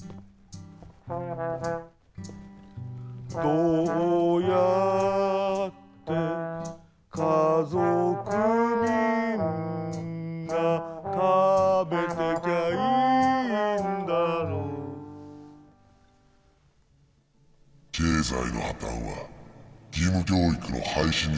「どうやって家族みんな食べてきゃいいんだろう」経済の破綻は義務教育の廃止につながった。